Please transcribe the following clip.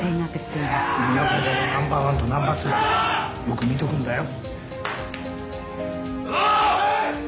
梅若部屋のナンバーワンとナンバーツーだよく見とくんだよ。